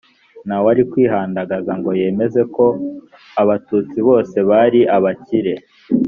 ntawari kwihandagaza ngo yemeze ko abatutsi bose bari abakire